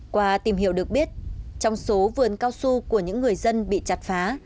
qua tìm hiểu được biết trong số vườn cao su của những người dân bị chặt phá